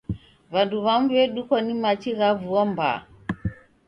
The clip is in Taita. W'andu w'amu w'edukwa ni machi gha vua mbaa.